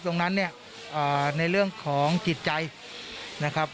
ตรงนั้นเนี่ยในเรื่องของจิตใจนะครับ